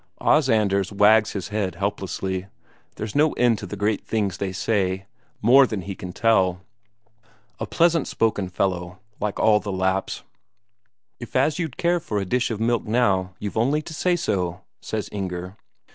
Os Anders wags his head helplessly; there's no end to the great things they say; more than he can tell. A pleasant spoken fellow, like all the Lapps. "If as you'd care for a dish of milk now, you've only to say so," says Inger.